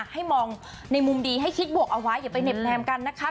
ให้มองในมุมดีให้คิดบวกเอาไว้อย่าไปเหน็บแนมกันนะคะ